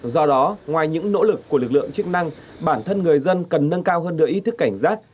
do đó ngoài những nỗ lực của lực lượng chức năng bản thân người dân cần nâng cao hơn nửa ý thức cảnh giác